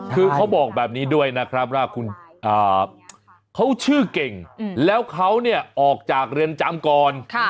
คือเขาบอกแบบนี้ด้วยนะครับว่าคุณเขาชื่อเก่งแล้วเขาเนี่ยออกจากเรือนจำก่อน